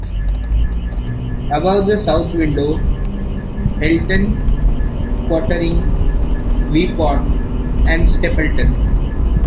Above the south window: Hylton quartering Vipont and Stapleton.